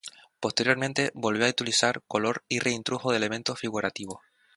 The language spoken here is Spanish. Posteriormente, volvió a utilizar color y re-introdujo elementos figurativos.